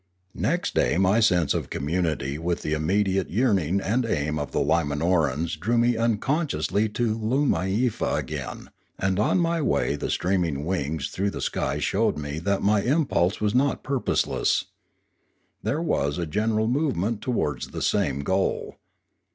Next day my sense of community with the immediate yearning and aim of the Limanorans drew me unconsciously to Loomiefa again; and on my way the streaming wings through the sky showed me that my impulse was not purposeless; there was a general movement towards the same goal.